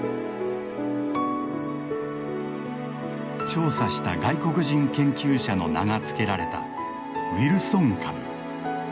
調査した外国人研究者の名が付けられたウィルソン株。